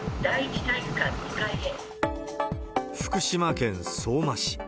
福島県相馬市。